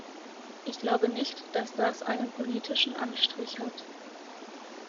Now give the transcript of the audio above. Ich glaube nicht, dass das einen politischen Anstrich hat.